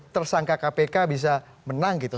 tersangka kpk bisa menang gitu